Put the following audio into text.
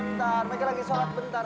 mereka lagi sholat bentar